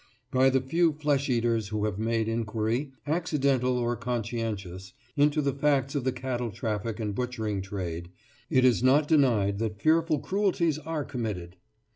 By the few flesh eaters who have made inquiry, accidental or conscientious, into the facts of the cattle traffic and butchering trade, it is not denied that fearful cruelties are committed.